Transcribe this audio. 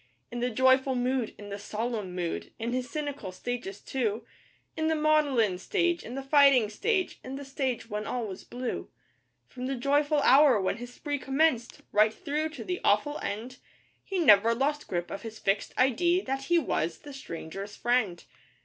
In the joyful mood, in the solemn mood in his cynical stages too In the maudlin stage, in the fighting stage, in the stage when all was blue From the joyful hour when his spree commenced, right through to the awful end, He never lost grip of his 'fixed idee' that he was the Stranger's Friend.